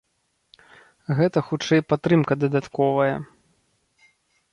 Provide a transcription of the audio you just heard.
Гэта хутчэй падтрымка дадатковая.